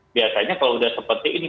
biasanya kalau sudah seperti ini